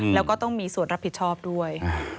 แล้วก็ต้องมีส่วนรับผิดชอบด้วย